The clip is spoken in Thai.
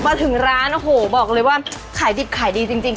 บุครถึงร้านบอกเลยว่าขายดิบขายดีจริง